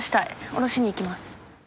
下ろしに行きます。